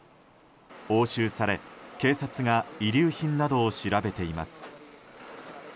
押収され、警察が遺留品などを調べています。